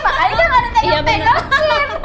makanya gak ada tanya tanya